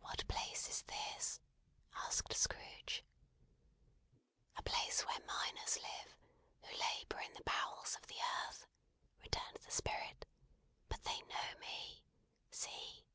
"What place is this?" asked Scrooge. "A place where Miners live, who labour in the bowels of the earth," returned the Spirit. "But they know me. See!"